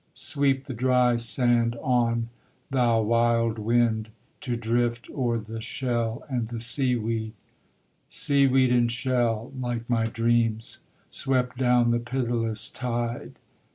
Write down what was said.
Sweep the dry sand on, thou wild wind, to drift o'er the shell and the sea weed; Sea weed and shell, like my dreams, swept down the pitiless tide.